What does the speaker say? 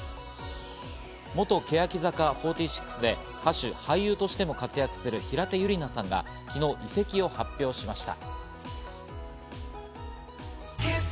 元欅坂４６で歌手、俳優としても活躍する平手友梨奈さんが昨日、移籍を発表しました。